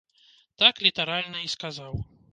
Так літаральна і сказаў.